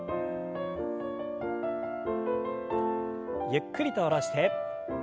ゆっくりと下ろして。